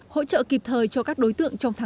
hỗ trợ kịp thời cho các đối tượng trong tháng bốn